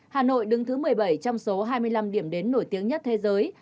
hà nội đứng thứ một mươi bảy trong số hai mươi năm điểm đến nổi tiếng nhất thế giới